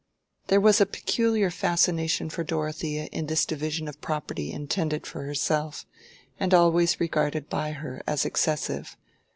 There was a peculiar fascination for Dorothea in this division of property intended for herself, and always regarded by her as excessive.